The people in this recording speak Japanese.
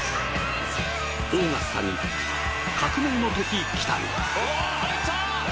オーガスタに革命の時来たる。